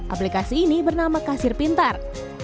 aplikasi ini bernama kasir pintar